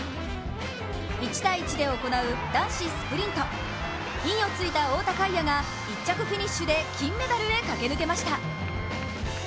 １対１で行う男子スプリント、インをついた太田海也が１着フィニッシュで金メダルへ駆け抜けました。